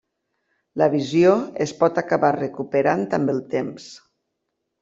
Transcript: La visió es pot acabar recuperant amb el temps.